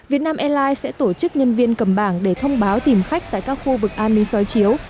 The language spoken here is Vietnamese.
việt nam airlines sẽ tổ chức nhân viên cầm bảng để thông báo tìm khách tại các khu vực an ninh soi chiếu